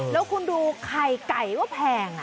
แล้วคุณดูไข่ไก่ก็แพง